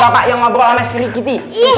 bapak bapak yang ngobrol sama sendiri